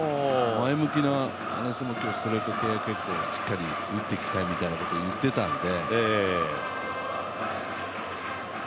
前向きなストレート系、しっかり打っていきたいということを言っていたので。